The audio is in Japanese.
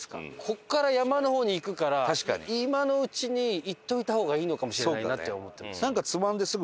ここから山の方に行くから今のうちに行っておいた方がいいのかもしれないなって思ってます。